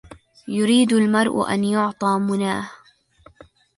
يريد المرء أن يعطى مناه